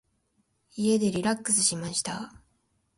家でリラックスしました。